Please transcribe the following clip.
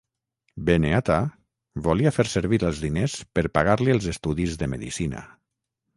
Beneatha volia fer servir els diners per pagar-li els estudis de medicina.